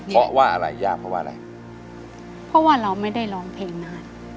เพราะว่าอะไรยากเพราะว่าอะไรเพราะว่าเราไม่ได้ร้องเพลงนาน